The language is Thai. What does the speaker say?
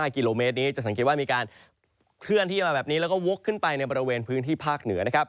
กิโลเมตรนี้จะสังเกตว่ามีการเคลื่อนที่มาแบบนี้แล้วก็วกขึ้นไปในบริเวณพื้นที่ภาคเหนือนะครับ